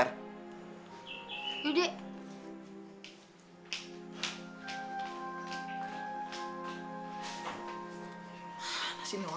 lu ajak dia ke kamar